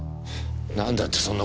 なんだってそんな事を。